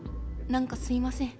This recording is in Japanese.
何かすいません。